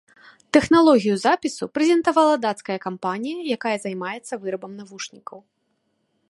Тэхналогію запісу прэзентавала дацкая кампанія, якая займаецца вырабам навушнікаў.